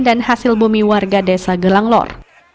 dan hasil bumi warga desa gelang lor